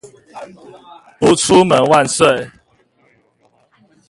不出門萬歲